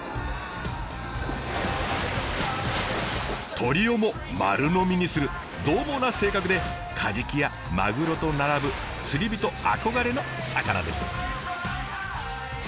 鳥をも丸のみにする獰猛な性格でカジキやマグロと並ぶ釣りびと憧れの魚です。